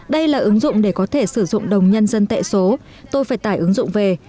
đây là ứng dụng để có thể sử dụng đồng nhân dân tệ số tôi phải tải ứng dụng về